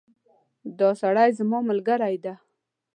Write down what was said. دا سړی زما ملګری ده